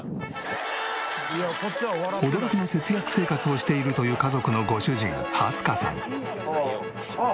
驚きの節約生活をしているという家族のご主人蓮香さん。